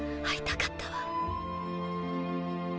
逢いたかったわ。